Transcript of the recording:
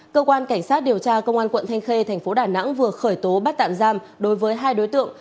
cơ quan cảnh sát điều tra công an quận thanh khê thành phố đà nẵng vừa khởi tố bắt tạm giam đối với hai đối tượng